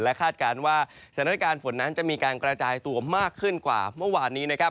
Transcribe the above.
คาดการณ์ว่าสถานการณ์ฝนนั้นจะมีการกระจายตัวมากขึ้นกว่าเมื่อวานนี้นะครับ